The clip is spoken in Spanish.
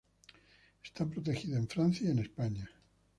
Está protegido en Francia y en España.